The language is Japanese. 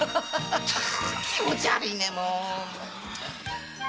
気持悪いねもう！